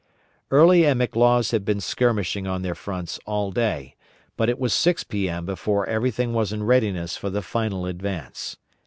Early and McLaws had been skirmishing on their fronts all day, but it was 6 P.M. before everything was in readiness for the final advance.